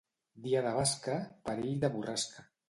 Dia de basca, perill de borrasca.